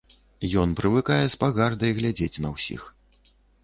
Ён прывыкае з пагардай глядзець на ўсіх.